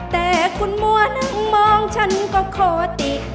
แต่คุณมัวนั่งมองฉันก็ขอติ